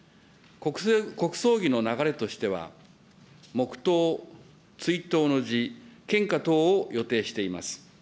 国葬儀の流れとしては、黙とう、追悼の辞、献花等を予定しています。